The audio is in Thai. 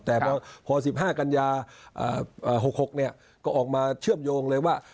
แต่พอ๑๕กันยา๖๖ก็ออกมาเชื่อมโยงเลยว่า